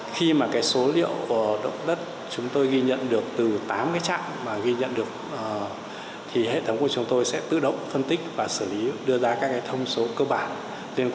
khi mà cái số liệu của động đất chúng tôi ghi nhận được từ tám cái trạm mà ghi nhận được thì hệ thống của chúng tôi sẽ tự động phân tích và xử lý đưa ra các thông số cơ bản